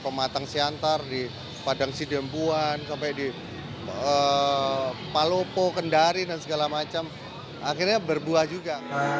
p u mencari dan segala macam akhirnya berbuah juga